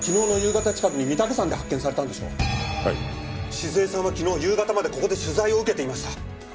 静江さんは昨日夕方までここで取材を受けていました。